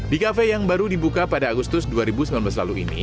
di kafe yang baru dibuka pada agustus dua ribu sembilan belas lalu ini